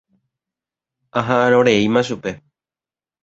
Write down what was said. Aha'ãrõ reíma chupe.